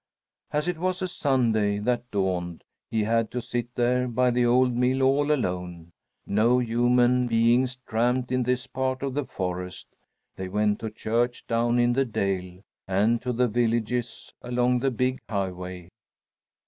As it was a Sunday that dawned, he had to sit there by the old mill all alone. No human beings tramped in this part of the forest. They went to church down in the dale, and to the villages along the big highway.